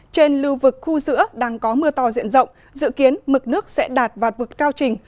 trên lưu vực khu giữa đang có mưa to diện rộng dự kiến mực nước sẽ đạt vạt vực cao trình